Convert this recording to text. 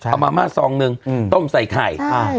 เอามาม่าซองหนึ่งต้มใส่ไข่